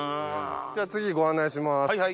じゃあ次ご案内します。